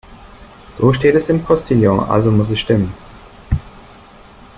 So steht es im Postillon, also muss es stimmen.